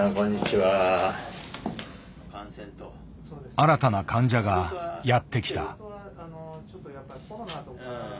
新たな患者がやって来た。